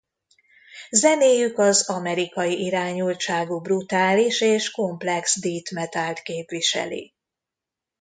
Zenéjük az amerikai irányultságú brutális és komplex death metalt képviseli.